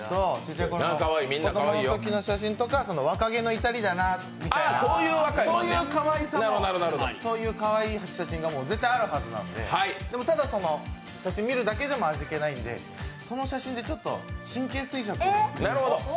子供の時の写真とか、若気の至りだなみたいなそういうかわいい写真が絶対あるはずなんで、でも、ただ、その写真を見るだけでは味気ないんで、その写真でちょっと神経衰弱を。